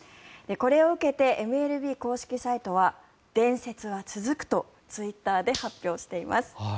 これを受けてＭＬＢ公式サイトは伝説は続くとツイッターで発表しています。